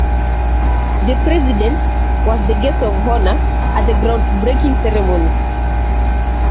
The president was the guest of honor at the groundbreaking ceremony.